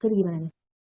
jadi gimana nih